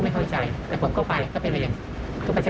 แล้วพอจดปุ๊บก็ไปเลยแม่ดีใจ